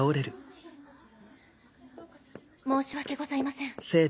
申し訳ございません。